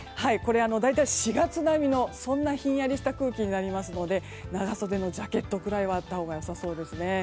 大体４月並みのひんやりとした空気になりそうなので長袖のジャケットくらいはあったほうが良さそうです。